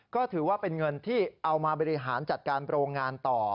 ก็ถือว่าเป็นเงินที่เอามาบริหารจัดการโรงงานต่อ